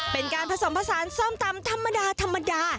เป็นการผสมผสานส้มตำธรรมดาธรรมดา